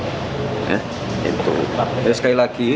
sekali lagi kalau ada yang kagum